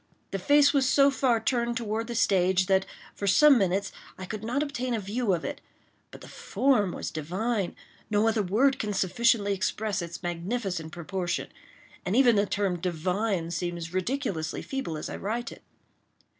The face was so far turned toward the stage that, for some minutes, I could not obtain a view of it—but the form was divine; no other word can sufficiently express its magnificent proportion—and even the term "divine" seems ridiculously feeble as I write it.